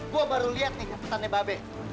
gue baru lihat nih pesannya babe